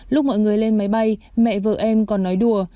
lúc mọi người lên máy bay mẹ vợ em còn nói đùa